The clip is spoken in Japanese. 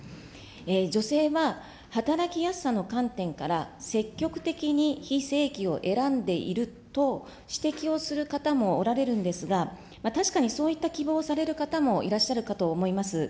女性は働きやすさの観点から、積極的に非正規を選んでいると指摘をする方もおられるんですが、確かにそういった希望をされる方もいらっしゃるかと思います。